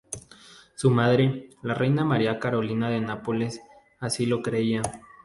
Su madre, la reina María Carolina de Nápoles así lo creía.